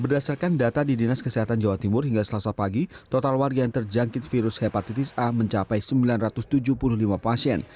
berdasarkan data di dinas kesehatan jawa timur hingga selasa pagi total warga yang terjangkit virus hepatitis a mencapai sembilan ratus tujuh puluh lima pasien